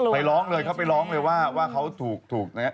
ไปร้องเลยเขาไปร้องเลยว่าเขาถูกนะครับ